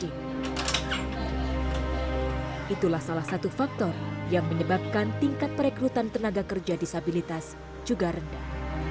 itulah salah satu faktor yang menyebabkan tingkat perekrutan tenaga kerja disabilitas juga rendah